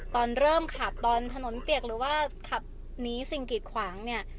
แต่มันจบกับความรู้สึกที่ต่างกัน